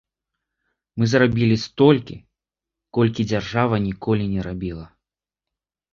Мы зрабілі столькі, колькі дзяржава ніколі не рабіла.